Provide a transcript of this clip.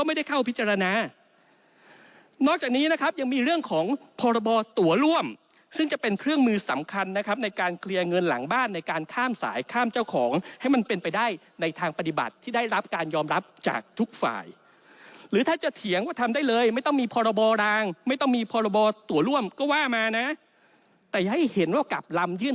ไม่ได้เข้าพิจารณานอกจากนี้นะครับยังมีเรื่องของพรบตัวร่วมซึ่งจะเป็นเครื่องมือสำคัญนะครับในการเคลียร์เงินหลังบ้านในการข้ามสายข้ามเจ้าของให้มันเป็นไปได้ในทางปฏิบัติที่ได้รับการยอมรับจากทุกฝ่ายหรือถ้าจะเถียงว่าทำได้เลยไม่ต้องมีพรบรางไม่ต้องมีพรบตัวร่วมก็ว่ามานะแต่ให้เห็นว่ากลับลำยื่น